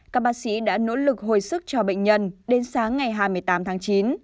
các bác sĩ đã nỗ lực hồi sức cho bệnh nhân đến sáng ngày hai mươi tám tháng chín